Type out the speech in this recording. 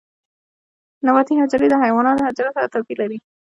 نباتي حجرې د حیواني حجرو سره توپیر لري